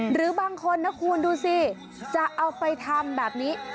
หรือบางคนนะคุณดูสิจะเอาไปทำแบบนี้